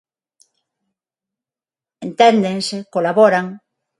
Enténdense, colaboran.